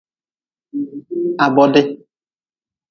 Ha bodi.